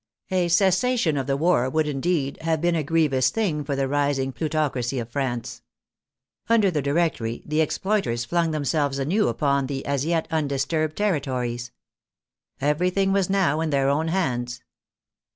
A cessation of the war would, indeed, have been a grievous thing for the rising plutoc racy of France. Under the Directory the exploiters flung themselves anew upon the as yet undisturbed terri tories. Everything was now in their own hands.